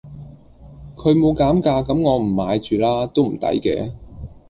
佢冇減價咁我唔買住啦都唔抵嘅